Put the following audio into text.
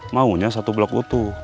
maunya satu blok utuh